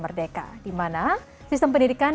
merdeka di mana sistem pendidikan